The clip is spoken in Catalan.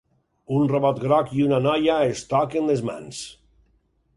Un robot groc i una noia es toquen les mans.